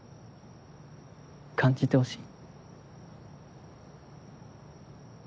感じてほしい。